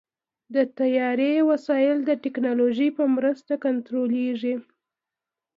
د طیارې وسایل د ټیکنالوژۍ په مرسته کنټرولېږي.